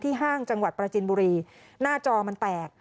ห้างจังหวัดประจินบุรีหน้าจอมันแตก